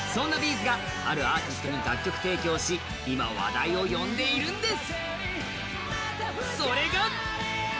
’ｚがあるアーティストに楽曲提供し今、話題を呼んでいるんです。